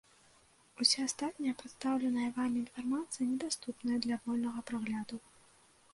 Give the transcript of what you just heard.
Уся астатняя прадстаўленая вамі інфармацыя недаступная для вольнага прагляду.